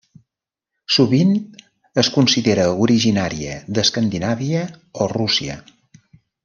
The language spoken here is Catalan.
Sovint es considera originària d'Escandinàvia o Rússia.